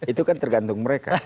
itu kan tergantung mereka